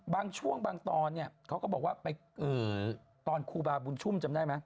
บางช่วงบางตอนเนี่ยเขาก็บอกว่าไปตอนครูบาบุญชุ่มจำได้ไหม